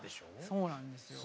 そうなんですよ。